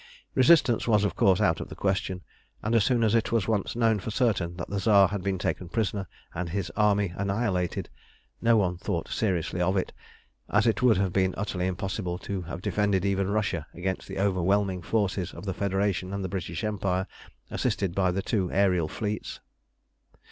Resistance was, of course, out of the question, and as soon as it was once known for certain that the Tsar had been taken prisoner and his army annihilated, no one thought seriously of it, as it would have been utterly impossible to have defended even Russia against the overwhelming forces of the Federation and the British Empire, assisted by the two aërial fleets.